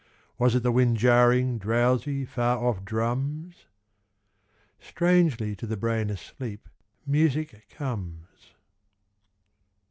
Was it the wind jarring Drowsy far off drums? Strangely to the brain asleep Music comes.